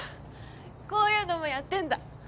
こういうのもやってんだ。